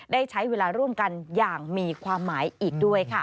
ได้ใช้เวลาร่วมกันอย่างมีความหมายอีกด้วยค่ะ